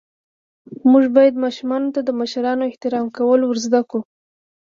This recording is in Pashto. موږ باید ماشومانو ته د مشرانو احترام کول ور زده ڪړو.